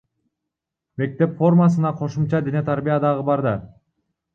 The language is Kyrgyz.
Мектеп формасына кошумча дене тарбия дагы бар да.